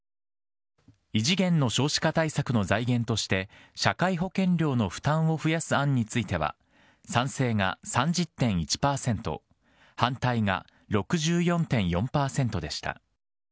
異次元の少子化対策の財源として、社会保険料の負担を増やす案については、賛成が３０．１％、反対が６４．４％でした。